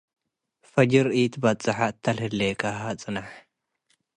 ፈጅር ኢትበጸሐ እተ ለህሌካሀ ጽንሐ።